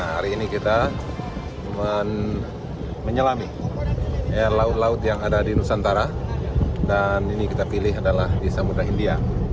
hari ini kita menyelami laut laut yang ada di nusantara dan ini kita pilih adalah di samudera india